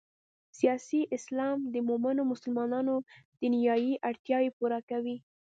سیاسي اسلام د مومنو مسلمانانو دنیايي اړتیاوې پوره کوي.